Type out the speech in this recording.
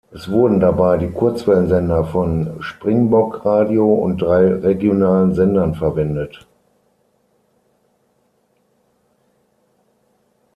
Es wurden dabei die Kurzwellensender von "Springbok Radio" und drei regionalen Sendern verwendet.